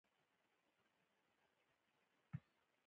طلا د افغانستان د جغرافیې بېلګه ده.